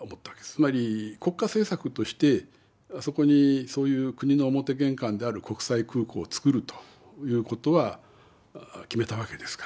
つまり国家政策としてそこにそういう国の表玄関である国際空港を造るということは決めたわけですから。